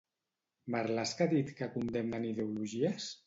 Marlaska ha dit que condemnen ideologies?